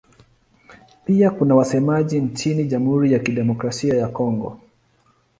Pia kuna wasemaji nchini Jamhuri ya Kidemokrasia ya Kongo.